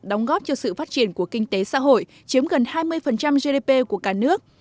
đóng góp cho sự phát triển của kinh tế xã hội chiếm gần hai mươi gdp của cả nước